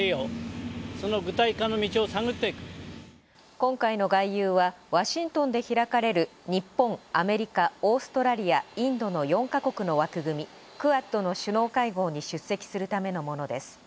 今回の外遊は、ワシントンで開かれる日本、アメリカ、オーストラリア、インドの４か国の枠組み「クアッド」の首脳会合に出席するためのものです。